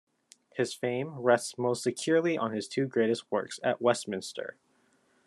His fame rests most securely on his two greatest works at Westminster.